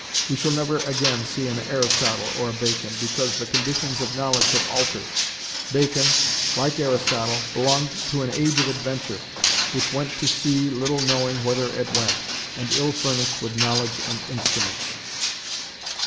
We shall never again see an Aristotle or a Bacon, because the conditions of knowledge have altered. Bacon, like Aristotle, belonged to an age of adventure, which went to sea little knowing whither it went, and ill furnished with knowledge and instruments.